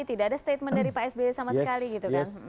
tidak ada statement dari pak sby sama sekali gitu kan